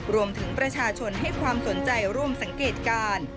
รวมถึงประชาชนให้ความสนใจร่วมสังเกตการ